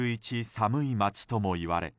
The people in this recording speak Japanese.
寒い町ともいわれ